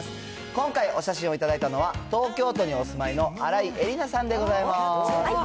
今回、お写真を頂いたのは、東京都にお住まいの新井恵理那さんでございます。